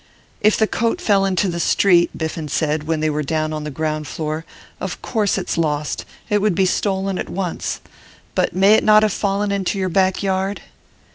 'If the coat fell into the street,' Biffen said, when they were down on the ground floor, 'of course it's lost; it would be stolen at once. But may not it have fallen into your back yard?